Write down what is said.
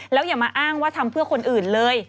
แล้วอย่ามาอ้างว่าทำเพื่อคนอื่นเลย